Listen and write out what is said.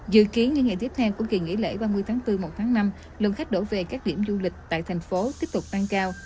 dự kiến những ngày tiếp theo của kỳ nghỉ lễ ba mươi tháng bốn một tháng năm lượng khách đổ về các điểm du lịch tại thành phố tiếp tục tăng cao